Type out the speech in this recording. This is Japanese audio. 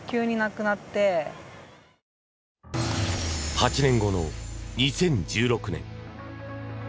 ８年後の２０１６年。